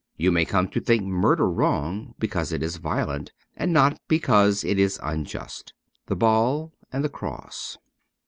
You may come to think murder wrong because it is violent, and not because it is unjust. ^The Ball and the Cross.'